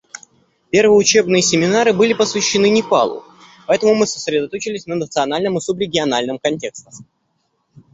Первые учебные семинары были посвящены Непалу, поэтому мы сосредоточились на национальном и субрегиональном контекстах.